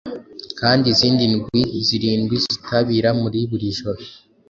Kandi izindi ndwi zirindwi zitabira buri joro